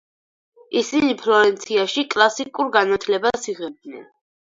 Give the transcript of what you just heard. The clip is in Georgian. ისინი ფლორენციაში კლასიკურ განათლებას იღებდნენ.